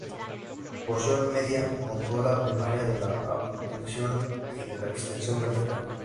Porción media: Motora primaria de la abducción y de la extensión vertical.